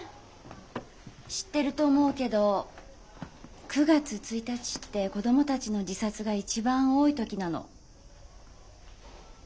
知ってると思うけど９月１日って子供たちの自殺が一番多い時なの。